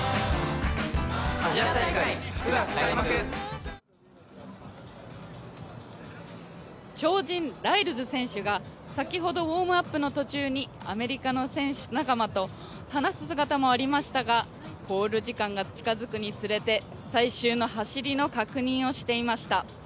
１１人の選手がここまで臨んでいる、超人ライルズ選手が先ほどウォームアップの途中にアメリカの選手、仲間と話す姿もありましたが、コール時間が近づくにつれて最終の走りの確認をしていました。